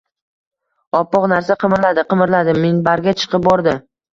Oppoq narsa qimirladi-qimirladi — minbarga chiqib bordi.